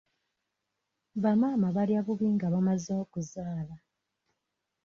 Bamaama balya bubi nga bamaze okuzaala.